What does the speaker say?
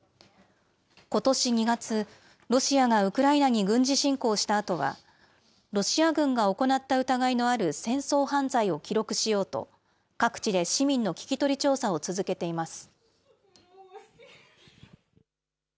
ことし２月、ロシアがウクライナに軍事侵攻したあとは、ロシア軍が行った疑いのある戦争犯罪を記録しようと、各地で市民の聞き取り調査を続けています。